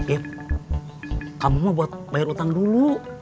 ya kamu mau buat bayar utang dulu